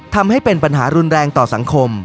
ทำให้เป็นปัญหารุนแรงต่อสังคม